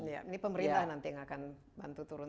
ini pemerintah nanti yang akan bantu turun